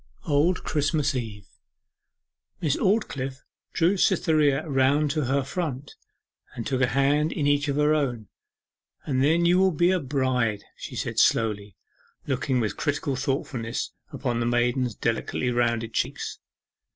'Old Christmas Eve.' Miss Aldclyffe drew Cytherea round to her front, and took a hand in each of her own. 'And then you will be a bride!' she said slowly, looking with critical thoughtfulness upon the maiden's delicately rounded cheeks.